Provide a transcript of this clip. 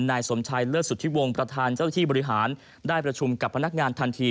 นายสมชัยเลิศสุธิวงศ์ประธานเจ้าที่บริหารได้ประชุมกับพนักงานทันที